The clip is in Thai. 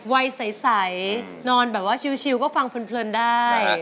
ไวใสนอนแบบว่าชิลล์ก็ฟังเผลินได้